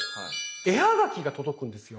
絵はがきが届くんですよ。